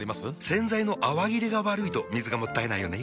洗剤の泡切れが悪いと水がもったいないよね。